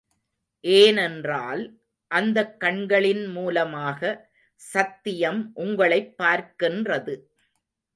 ஏனென்றால், அந்தக் கண்களின் மூலமாக சத்தியம் உங்களைப் பார்க்கின்றது.